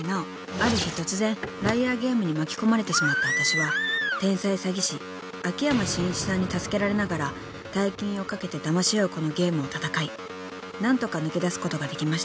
ある日突然ＬＩＡＲＧＡＭＥに巻き込まれてしまったわたしは天才詐欺師秋山深一さんに助けられながら大金を賭けてだまし合うこのゲームを戦い何とか抜け出すことができました］